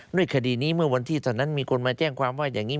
ด้วยคดีนี้เมื่อวันที่ตอนนั้นมีคนมาแจ้งความว่าอย่างนี้